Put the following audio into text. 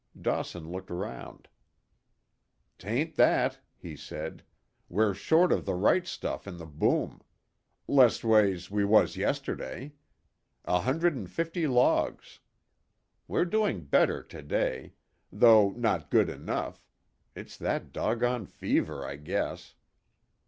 Dawson looked round. "'Tain't that," he said. "We're short of the right stuff in the boom. Lestways, we was yesterday. A hundred and fifty logs. We're doing better to day. Though not good enough. It's that dogone fever, I guess."